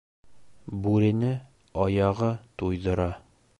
Бүрене аяғы туйҙыра.